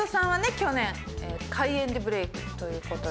去年怪演でブレークということで。